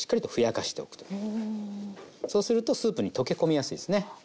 そうするとスープに溶け込みやすいですね。